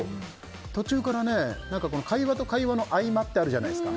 途中から会話と会話の合間ってあるじゃないですか。